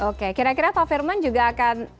oke kira kira pak firman juga akan